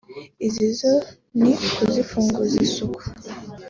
izi zo ni ukuzifunguza isura